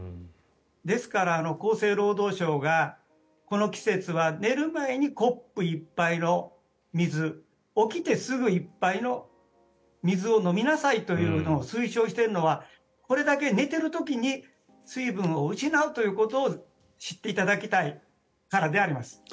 ですから、厚生労働省がこの季節は寝る前にコップ１杯の水起きてすぐ１杯の水を飲みなさいというのを推奨しているのはこれだけ寝ている時に水分を失うということを知っていただきたいからであります。